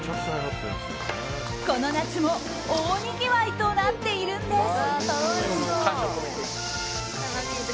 この夏も大にぎわいとなっているんです。